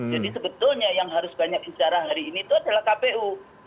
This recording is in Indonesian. jadi sebetulnya yang harus banyak bicara hari ini itu adalah kpu